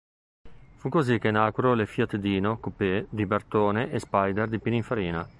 Fu così che nacquero le Fiat Dino coupé di Bertone e spider di Pininfarina.